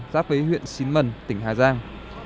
giáp với huyện xín mần tỉnh hà giang